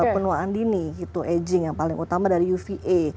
penuaan dini gitu aging yang paling utama dari uva